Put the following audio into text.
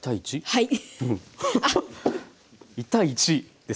はい。